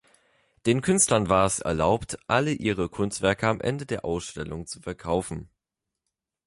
Den Künstlern war es erlaubt, alle ihre Kunstwerke am Ende der Ausstellung zu verkaufen.